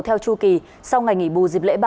theo chu kỳ sau ngày nghỉ bù dịp lễ